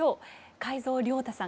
海蔵亮太さん